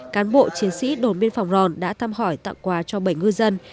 cán bộ chiến sĩ đồn biên phòng ròn đã thăm hỏi tặng quà cho bảy ngư dân